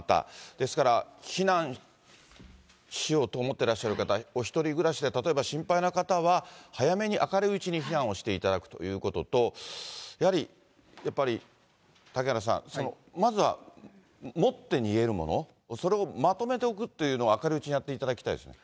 ですから、避難しようと思ってらっしゃる方、お１人暮らしで例えば心配な方は、早めに、明るいうちに避難をしていただくということと、やはり、やっぱり、嵩原さん、まずは持って逃げるもの、それをまとめておくっていうのは、明るいうちにやっていただきたいですね。